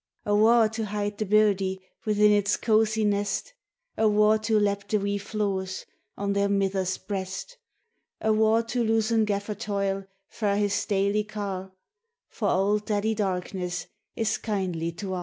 Awa' to hide the birdie within its cosy nest, Awa' to lap the wee flooers on their mither's breast, Awa' to loosen Gaffer Toil frae his daily ca', For Auld Daddy Darkness is kindly to a'.